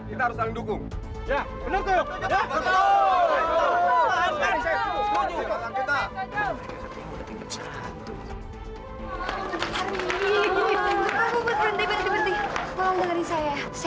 kita harus berjuangin bener ya